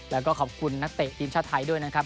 แล้วก็ขอบคุณนักเตะทีมชาติไทยด้วยนะครับ